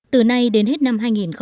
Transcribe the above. từ nay đến hết năm hai nghìn một mươi chín